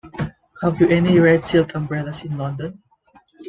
Have you any red silk umbrellas in London?